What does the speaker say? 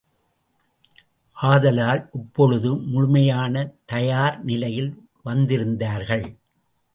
ஆதலால், இப்பொழுது முழுமையான தயார் நிலையில் வந்திருந்தார்கள்.